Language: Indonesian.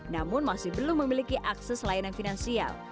namun masih belum memiliki akses layanan finansial